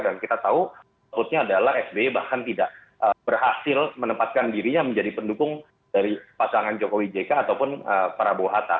dan kita tahu sebutnya adalah sby bahkan tidak berhasil menempatkan dirinya menjadi pendukung dari pasangan jokowi jk ataupun para bohata